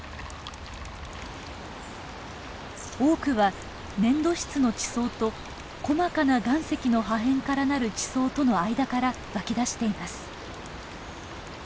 多くは粘土質の地層と細かな岩石の破片からなる地層との間から湧き出しています。